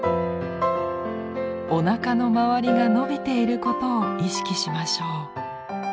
おなかの周りが伸びていることを意識しましょう。